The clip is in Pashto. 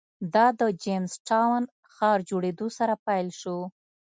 دا د جېمز ټاون ښار جوړېدو سره پیل شو.